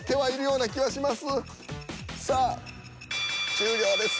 終了です。